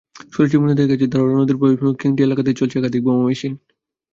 সরেজমিনে দেখা গেছে, ধরলা নদীর প্রবেশমুখ খেংটি এলাকাতেই চলছে একাধিক বোমা মেশিন।